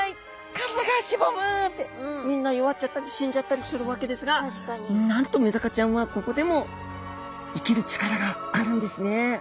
体がしぼむ！」ってみんな弱っちゃったり死んじゃったりするわけですがなんとメダカちゃんはここでも生きる力があるんですね。